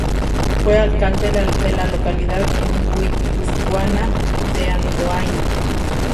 Fue alcalde de la localidad guipuzcoana de Andoain.